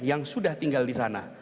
yang sudah tinggal di sana